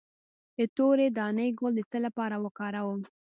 د تورې دانې ګل د څه لپاره وکاروم؟